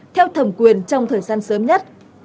theo thẩm quyền trong thời gian sớm nhất